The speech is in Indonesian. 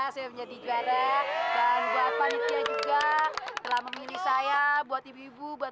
saya menjadi juara dan buat panitia juga telah memilih saya buat ibu ibu buat